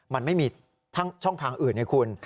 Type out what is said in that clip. มันไม่มีทั้งช่องทางอื่นให้คุณ